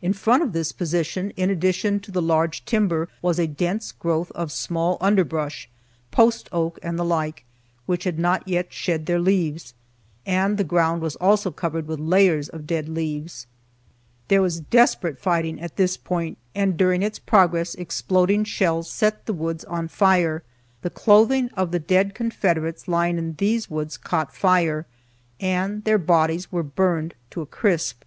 In front of this position, in addition to the large timber, was a dense growth of small under brush, post oak and the like, which had not yet shed their leaves, and the ground also was covered with layers of dead leaves. There was desperate fighting at this point, and during its progress exploding shells set the woods on fire. The clothing of the dead Confederates lying in these woods caught fire, and their bodies were burned to a crisp.